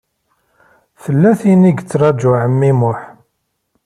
Tella tin i yettṛaju ɛemmi Muḥ.